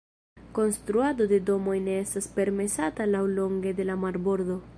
Konstruado de domoj ne estas permesata laŭlonge de la marbordo.